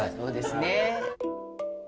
そうですね。